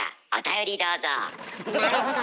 なるほど。